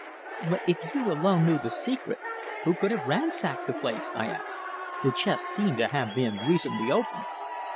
"But if you alone knew the secret, who could have ransacked the place?" I asked. "The chests seem to have been recently opened."